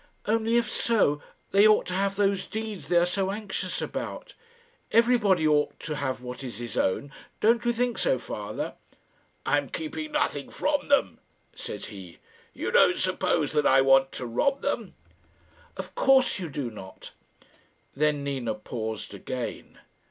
"Only if so, they ought to have those deeds they are so anxious about. Everybody ought to have what is his own. Don't you think so, father?" "I am keeping nothing from them," said he; "you don't suppose that I want to rob them?" "Of course you do not." Then Nina paused again.